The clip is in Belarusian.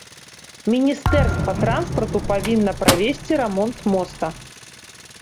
Міністэрства транспарту павінна правесці рамонт моста.